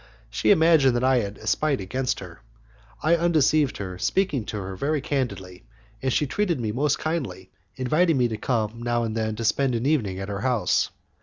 She imagined that I had a spite against her. I undeceived her, speaking to her very candidly, and she treated me most kindly, inviting me to come now and then to spend the evening at her house.